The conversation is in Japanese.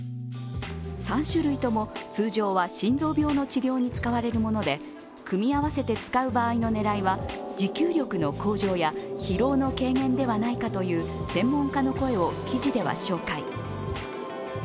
３種類とも通常は心臓病の治療に使われるもので組み合わせて使う場合の狙いは持久力の向上や疲労の軽減ではないかという専門家の声を記事では紹介。